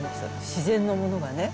自然のものがね。